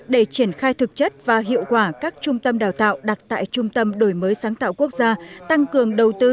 để triển khai thực chất và hiệu quả các trung tâm đào tạo đặt tại trung tâm đổi mới sáng tạo quốc gia tăng cường đầu tư